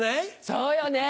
そうよね。